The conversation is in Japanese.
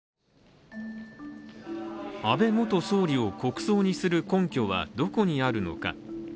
安倍元総理を国葬にする根拠はどこにあるのか。